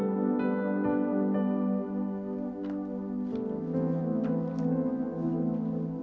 aku bilang ini untuk jets gladstone